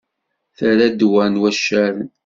Terra ddwa n waccaren.